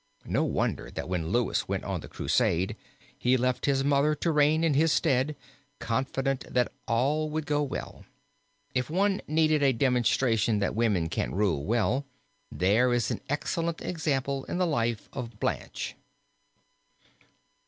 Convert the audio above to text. No wonder that when Louis went on the Crusade, he left his mother to reign in his stead confident that all would go well. If one needed a demonstration that women can rule well there is an excellent example in the life of Blanche.